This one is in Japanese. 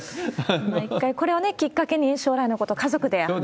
一回、これをきっかけに将来のことを家族で話し合って。